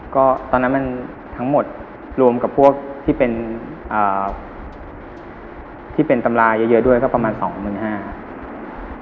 ก็ตอนนั้นมันทั้งหมดรวมกับพวกที่เป็นตำราเยอะด้วยก็ประมาณ๒๕๐๐ครับ